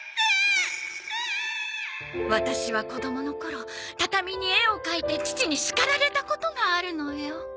ワタシは子どもの頃畳に絵を描いて父に叱られたことがあるのよ。